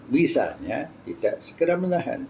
bisanya tidak segera menahan